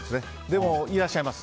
でも、いらっしゃいます。